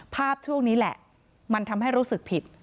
ภาพช่วงนี้แหละมันทำให้รู้สึกผิด